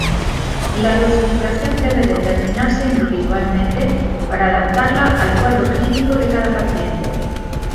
La dosificación debe determinarse individualmente para adaptarla al cuadro clínico de cada paciente.